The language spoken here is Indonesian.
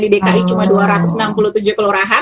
di dki cuma dua ratus enam puluh tujuh kelurahan